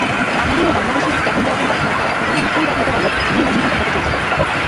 বাঙালি ও বাংলাদেশি জাতীয়তাবাদের মাঝখানে তারা পুরোনো মুসলিম জাতীয়তাবাদের পুনরুজ্জীবন ঘটাতে চেয়েছিল।